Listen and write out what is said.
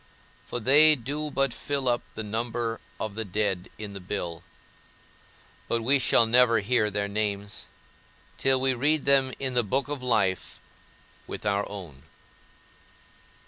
For they do but fill up the number of the dead in the bill, but we shall never hear their names, till we read them in the book of life with our own.